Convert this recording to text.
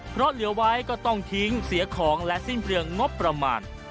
เพราะเหลือไว้ก็ต้องทิ้งเสียของและสิ้นเปลืองงบประมาณ